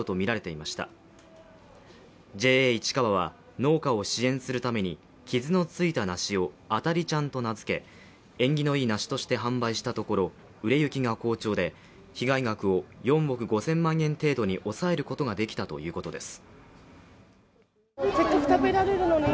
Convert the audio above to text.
ＪＡいちかわは農家を支援するために傷のついた梨をあた梨ちゃんと名付け、縁起のいい梨として販売したところ、売れ行きが好調で被害額を４億５０００万円程度に抑えることができたということです。